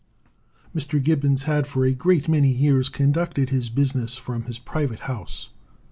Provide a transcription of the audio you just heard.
Mr. Gibbons had for a great many years conducted his business from his private house.